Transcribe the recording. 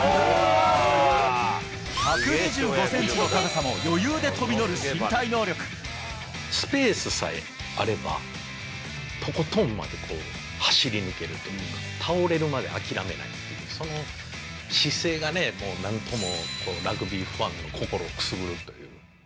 １２５センチの高さも余裕で飛びスペースさえあれば、とことんまで走り抜けるというか、倒れるまで諦めないっていう、その姿勢がね、もうなんとも、ラグビーファンの心をくすぐるという。